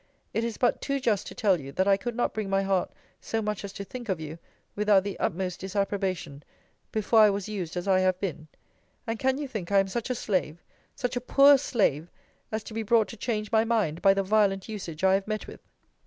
It is but too just to tell you, that I could not bring my heart so much as to think of you, without the utmost disapprobation, before I was used as I have been: And can you think I am such a slave, such a poor slave, as to be brought to change my mind by the violent usage I have met with?